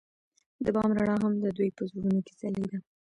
د بام رڼا هم د دوی په زړونو کې ځلېده.